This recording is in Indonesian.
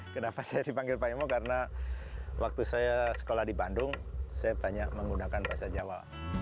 kenapa saya dipanggil pak emo karena waktu saya sekolah di bandung saya banyak menggunakan bahasa jawa